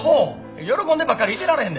喜んでばっかりいてられへんで。